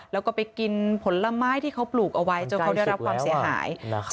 แล้วก็ไปกินผลไม้ที่เขาปลูกเอาไว้จนเขาได้รับความเสียหาย